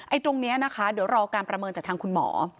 ตรงนี้นะคะเดี๋ยวรอการประเมินจากทางคุณหมอ